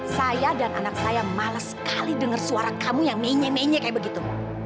saya dan anak saya males sekali denger suara kamu yang menye menye kayak begitu